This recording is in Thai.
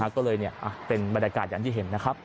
ก็เลยเป็นบรรยากาศอย่างที่เห็นนะครับ